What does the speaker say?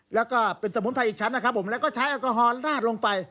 แล้วก็เป็นสมุนไพรอีกชั้นนะครับผมแล้วก็ใช้แอลกอฮอลลาดลงไป